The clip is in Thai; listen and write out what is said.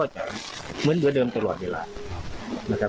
เหมือนเดียวเดิมตลอดเวลา